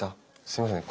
すいません